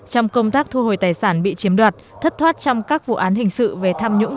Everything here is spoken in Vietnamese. trong công tác thu hồi tài sản bị chiếm đoạt thất thoát trong các vụ án hình sự về tham nhũng